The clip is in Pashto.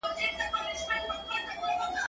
زه کولای سم خواړه ورکړم!.